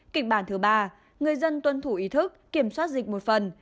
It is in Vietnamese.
kịch bản thứ ba người dân tuân thủ ý thức kiểm soát dịch một phần